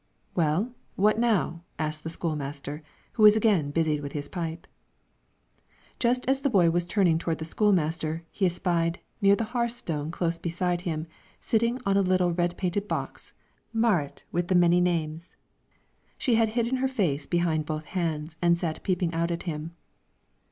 "Well, what now?" asked the school master, who was again busied with his pipe. Just as the boy was about turning toward the school master, he espied, near the hearthstone close beside him, sitting on a little red painted box, Marit with the many names; she had hidden her face behind both hands and sat peeping out at him.